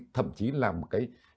thậm chí làm một cái